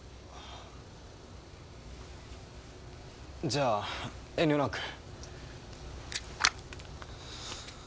じゃあ遠慮なく。